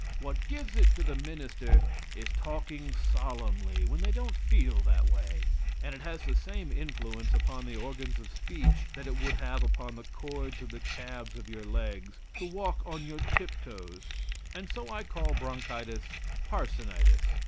What gives it to the minister is talking solemnly when they don't feel that way, and it has the same influence upon the organs of speech that it would have upon the cords of the calves of your legs to walk on your tip toes, and so I call bronchitis "parsonitis."